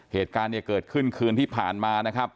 เหตุการณ์เนี่ยเกิดขึ้นคืนที่ผ่านมานะครับ